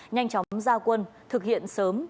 nhanh chóng gia quân thực hiện sớm